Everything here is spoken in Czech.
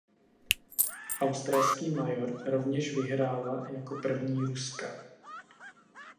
Australský major rovněž vyhrála jako první Ruska.